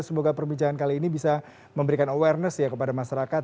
semoga perbincangan kali ini bisa memberikan awareness ya kepada masyarakat